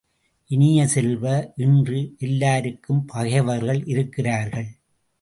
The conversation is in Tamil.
இனிய செல்வ, இன்று எல்லாருக்கும் பகைவர்கள் இருக்கிறார்கள்!